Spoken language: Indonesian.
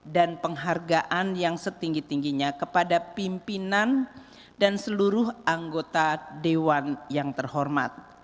dan penghargaan yang setinggi tingginya kepada pimpinan dan seluruh anggota dewan yang terhormat